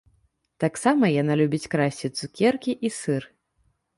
Таксама яна любіць красці цукеркі і сыр.